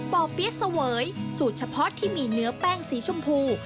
่อเปี๊ยะเสวยสูตรเฉพาะที่มีเนื้อแป้งสีชมพู